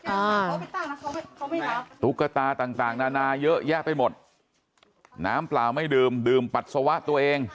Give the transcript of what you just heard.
ตุ๊กตาต่างต่างนานาเยอะแยะไปหมดน้ำเปล่าไม่ดื่มดื่มปัสสาวะตัวเอง